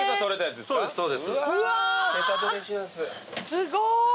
すごい！